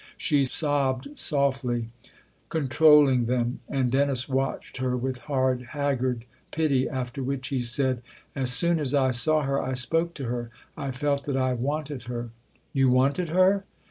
She sobbed softly, controlling them, and Dennis watched her with hard, haggard pity ; after which he said :" As soon as I saw her I spoke to her I felt that I wanted her." " You wanted her